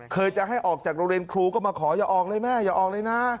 จะให้ออกจากโรงเรียนครูก็มาขออย่าออกเลยแม่อย่าออกเลยนะ